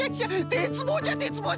てつぼうじゃてつぼうじゃ！